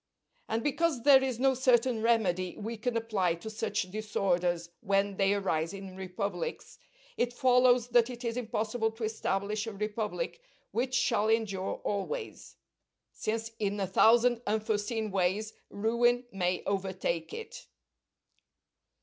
And because there is no certain remedy we can apply to such disorders when they arise in republics, it follows that it is impossible to establish a republic which shall endure always; since in a thousand unforeseen ways ruin may overtake it.